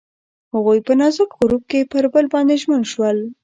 هغوی په نازک غروب کې پر بل باندې ژمن شول.